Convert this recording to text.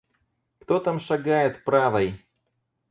Кто там шагает правой?